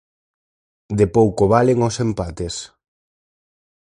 De pouco valen os empates.